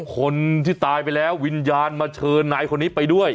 คนที่ตายไปแล้ววิญญาณมาเชิญนายคนนี้ไปด้วย